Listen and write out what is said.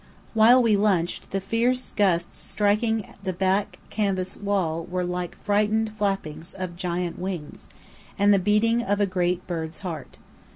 While we lunched, the fierce gusts striking the back canvas wall were like the frightened flappings of giant wings, and the beating of a great bird's heart.